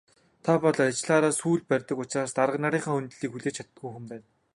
Та бол ажлаараа сүүл барьдаг учраас дарга нарынхаа хүндэтгэлийг хүлээж чаддаггүй хүн байна.